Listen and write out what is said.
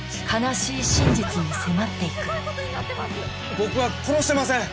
僕は殺してません！